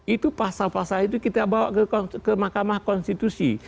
itu pasal pasal itu kita bawa ke mahkamah konstitusi